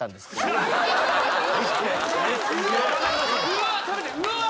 うわ！